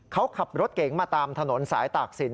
เขาขับรถเก๋งมาตามถนนสายตากศิลป